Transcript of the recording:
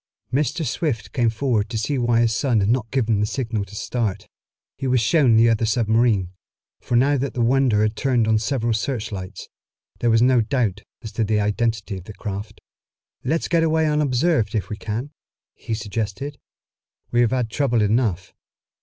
Mr. Swift came forward to see why his son had not given the signal to start. He was shown the other submarine, for now that the Wonder had turned on several searchlights, there was no doubt as to the identity of the craft. "Let's get away unobserved if we can," he suggested. "We have had trouble enough."